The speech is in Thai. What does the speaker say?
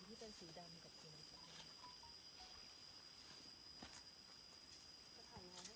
ไม่เอาแต่แบบนี้